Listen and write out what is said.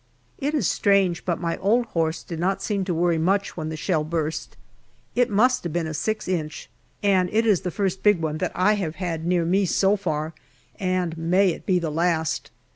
It is strange, but my old horse did not seem to worry much when the shell burst. It must have been a 6 inch, and is the first big one that I have had near me so far, and may it be the last.